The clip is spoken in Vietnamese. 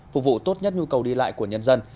phục vụ tốt nhất nhu cầu đi lại của nhân dân